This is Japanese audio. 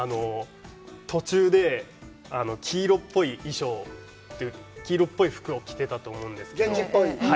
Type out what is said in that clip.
途中で黄色っぽい衣装、黄色っぽい衣装を着ていたと思うんですけど、現地っぽい？